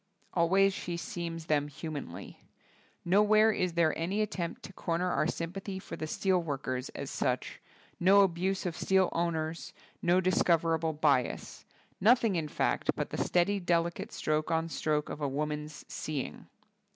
Al ways she seems them humanly. No where is there any attempt to corner our sympathy for the steel workers as such, no abuse of steel owners, no dis coverable bias; nothing in fact, but the steady, delicate stroke on stroke of a woman's seeing.